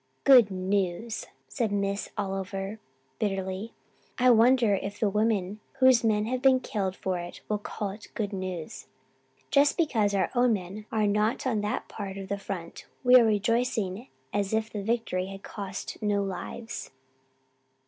"Good news!" said Miss Oliver bitterly. "I wonder if the women whose men have been killed for it will call it good news. Just because our own men are not on that part of the front we are rejoicing as if the victory had cost no lives."